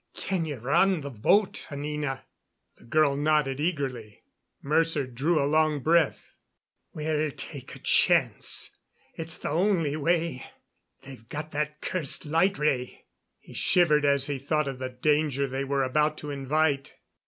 "Can you run the boat, Anina?" The girl nodded eagerly. Mercer drew a long breath. "We'll take a chance. It's the only way. They've got that cursed light ray." He shivered as he thought of the danger they were about to invite.